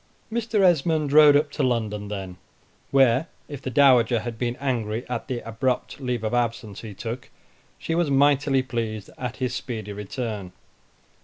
Mr. Esmond rode up to London then, where, if the Dowager had been angry at the abrupt leave of absence he took, she was mightily pleased at his speedy return.